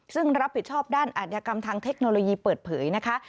ซึ่งรับผิดชอบด้านอาธิกรรมทางเทคโนโลยีเปิดเผยนะคะ